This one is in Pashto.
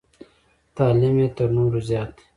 تعلیم یې تر نورو زیات دی.